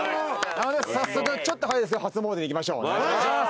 早速ちょっと早いですが初詣に行きましょうお願いします。